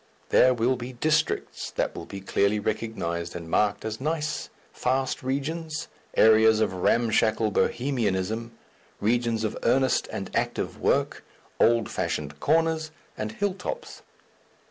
There will be districts that will be clearly recognized and marked as "nice," fast regions, areas of ramshackle Bohemianism, regions of earnest and active work, old fashioned corners and Hill Tops.